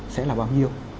sẽ là bao nhiêu